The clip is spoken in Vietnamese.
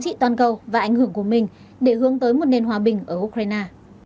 trị toàn cầu và ảnh hưởng của mình để hướng tới một nền hòa bình ở ukraine